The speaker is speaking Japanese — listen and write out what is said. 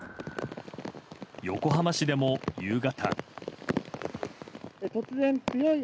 横浜市でも夕方。